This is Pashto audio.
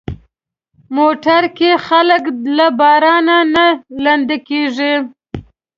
موټر کې خلک له بارانه نه لندي کېږي.